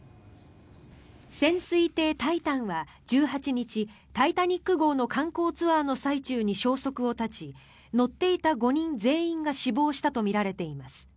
潜水艇「タイタン」は１８日「タイタニック号」の観光ツアーの最中に消息を絶ち乗っていた５人全員が死亡したとみられています。